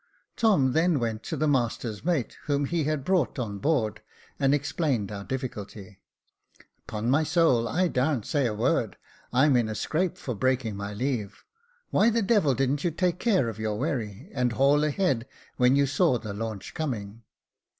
Tom then went up to the master's mate, whom he had brought on board, and explained our difficulty. Jacob Faithful 347 " Upon my soul, I dar'n't say a word. I'm in a scrape for breaking my leave. Why the devil didn't you take care of your wherry, and haul a head when you saw the launch coming